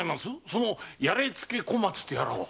その「やれ突け小町」とやらは？